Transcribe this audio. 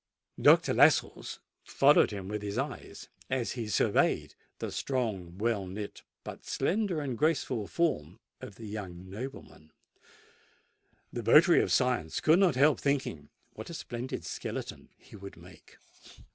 Dr. Lascelles followed him with his eyes; and as he surveyed the strong, well knit, but slender and graceful form of the young nobleman, the votary of science could not help thinking what a splendid skeleton he would make.